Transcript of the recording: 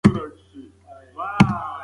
ماشوم په خپل غږ کې د معصومیت مانا درلوده.